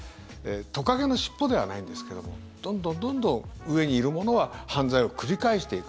トカゲの尻尾ではないんですけどもどんどんどんどん、上にいる者は犯罪を繰り返していく。